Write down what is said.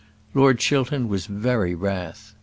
Lord Chiltern was very wrath.